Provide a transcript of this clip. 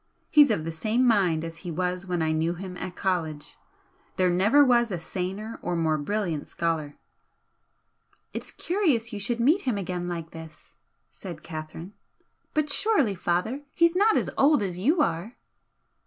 He's of the same mind as he was when I knew him at college. There never was a saner or more brilliant scholar." "It's curious you should meet him again like this," said Catherine "But surely, father, he's not as old as you are?"